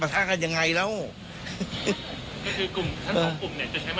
พระเจ้าจะมาชุมนุมแจ้งการข่าวไว้ดีกันไหม